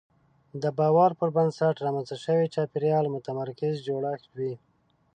د باور پر بنسټ رامنځته شوی چاپېریال متمرکز جوړښت وي.